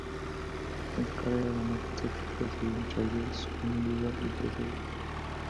En su carrera ganó cuatro títulos en "challengers", uno individual y tres en dobles.